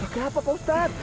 kenapa pak ustadz